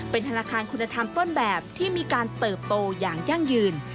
เป็นธนาคารคุณธรรมต้นแบบที่มีการเติบโตอย่างยั่งยืน